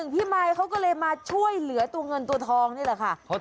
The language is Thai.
พี่มายเขาก็เลยมาช่วยเหลือตัวเงินตัวทองนี่แหละค่ะ